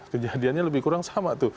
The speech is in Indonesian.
kejadiannya lebih kurang sama